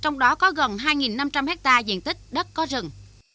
trong đó có gần hai năm trăm linh hectare diện tích đất có rừng